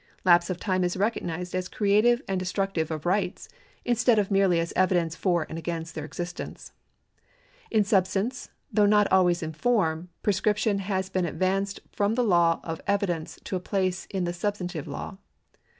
Lapse of time is recognised as creative §1C2] THE LAW OF PROPERTY 411 and dostnictivc of rights, instead of merely as evidence for and against their existence. In substance, though not always in form, prescription lias been advanced from the law of evidence to a place in the substantive law.